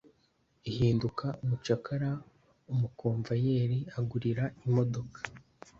ihinduka umucakara umukomvayeli agurira imodoka